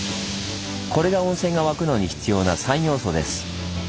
これが温泉が湧くのに必要な三要素です。